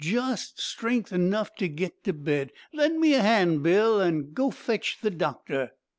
'Just strength enough to get to bed. Lend a hand, Bill, an' go an' fetch the doctor.'